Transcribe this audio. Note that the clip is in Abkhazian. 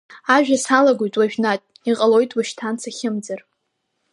Ажәа салагоит уажәнатә, иҟалоит уашьҭан сахьымӡар…